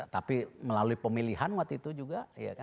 tapi melalui pemilihan waktu itu juga